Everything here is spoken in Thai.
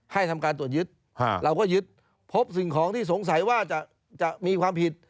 ทำการตรวจยึดเราก็ยึดพบสิ่งของที่สงสัยว่าจะมีความผิด